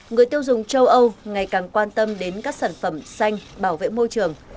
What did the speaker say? người tiêu dùng châu âu ngày càng quan tâm đến các sản phẩm xanh bảo vệ môi trường